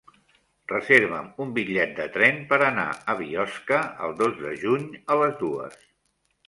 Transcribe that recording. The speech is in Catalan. Reserva'm un bitllet de tren per anar a Biosca el dos de juny a les dues.